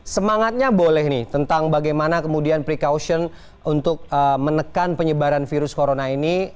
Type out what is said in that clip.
semangatnya boleh nih tentang bagaimana kemudian precaution untuk menekan penyebaran virus corona ini